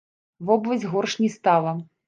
Вобласць горш не стала.